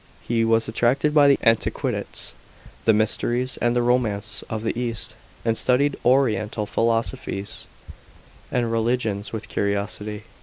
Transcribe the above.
He was attracted by the antiquitit s, the mysteries and the romance of the east, and studied oriental philosophies and religions with curiosity.